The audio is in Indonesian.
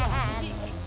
kau jatuh sih